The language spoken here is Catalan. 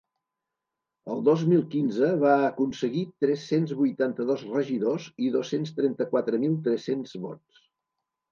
El dos mil quinze va aconseguir tres-cents vuitanta-dos regidors i dos-cents trenta-quatre mil tres-cents vots.